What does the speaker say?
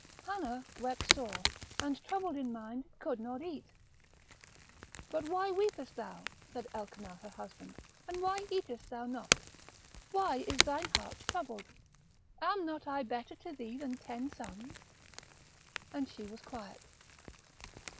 Hannah wept sore, and troubled in mind, could not eat; but why weepest thou, said Elkanah her husband, and why eatest thou not? why is thine heart troubled? am not I better to thee than ten sons? and she was quiet.